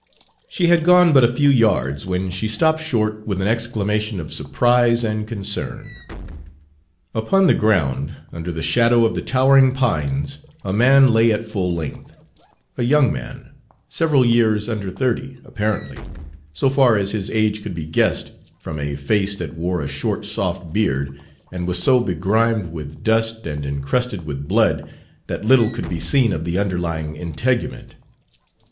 She had gone but a few yards when she stopped short with an exclamation of surprise and concern. Upon the ground, under the shadow of the towering pines, a man lay at full length, a young man, several years under thirty, apparently, so far as his age could be guessed from a face that wore a short soft beard, and was so begrimed with dust and incrusted with blood that little could be seen of the underlying integument.